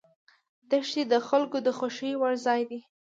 دښتې د خلکو د خوښې وړ ځای دی.